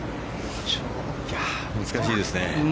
難しいですね。